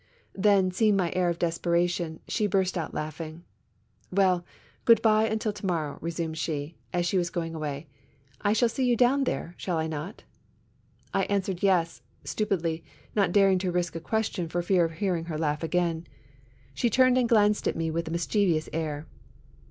Then, seeing my air of desperation, she burst out laughing. "Well, good bye until to morrow," resumed she, as 44 THE MAISONS LAFFITTE RACES. she was going away. "I shall see you down there, shall I not?'' I answered yes, stupidly, not daring to risk a question for fear of hearing her laugh again. She turned and glanced at me with a mischievous air.